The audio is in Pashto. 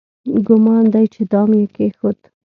ګومان دی چې دام یې کېښود.